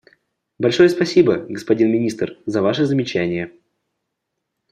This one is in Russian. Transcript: Большое спасибо, господин Министр, за Ваши замечания.